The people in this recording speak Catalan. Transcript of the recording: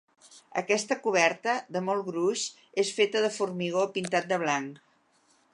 Aquesta coberta, de molt gruix, és feta de formigó pintat de blanc.